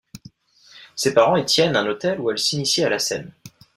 Ses parents y tiennent un hôtel où elle s'initie à la scène.